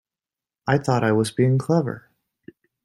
I thought I was being clever.